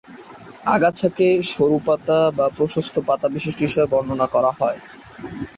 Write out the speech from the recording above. আগাছাকে সরুপাতা বা প্রশস্ত পাতাবিশিষ্ট হিসেবে বর্ণনা করা হয়।